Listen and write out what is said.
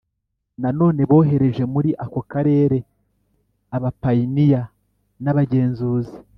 Nanone bohereje muri ako karere abapayiniya n abagenzuzi